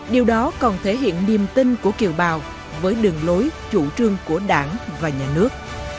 điều đó còn thể hiện niềm tin của kiều bào với đường lối chủ trương của đảng và nhà nước